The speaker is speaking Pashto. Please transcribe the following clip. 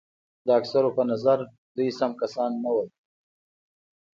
د اکثرو په نظر دوی سم کسان نه وو.